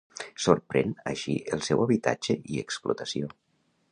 Sorprèn així el seu habitatge i explotació.